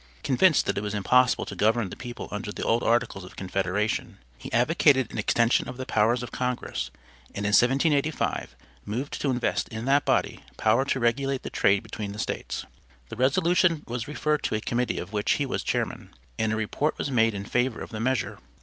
Convinced that it was impossible to govern the people under the old articles of confederation, he advocated an extension of the powers of congress, and in 1785 moved to invest in that body power to regulate the trade between the States. The resolution was referred to a committee of which he was chairman, and a report was made in favor of the measure.